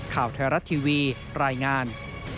ข่าวไทยรัฐทีวีรายงาน